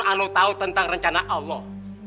allah tahu tentang rencana allah